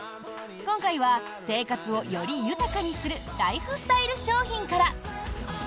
今回は生活をより豊かにするライフスタイル商品から。